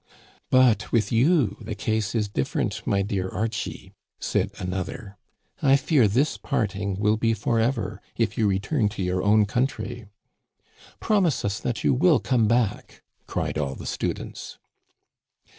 " But with you the case is different, my dear Archie," said another. " I fear this parting will be forever, if you return to your own country." Promise us that you will come back," cried all the students.